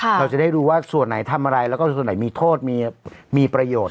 เราจะได้รู้ว่าส่วนไหนทำอะไรแล้วก็ส่วนไหนมีโทษมีประโยชน์